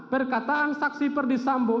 perkataan saksi perdisambo